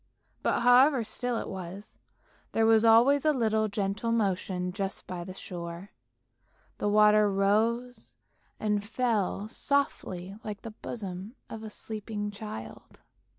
But, however still it was, there was always a little gentle motion just by the shore, the water rose and fell softly like the bosom of a sleeping child.